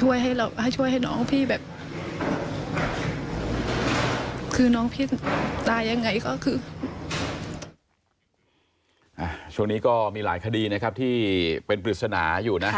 ช่วงนี้ก็มีหลายคดีนะครับที่เป็นปริศนาอยู่นะ